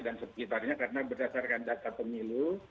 dan sekitarnya karena berdasarkan data pemilu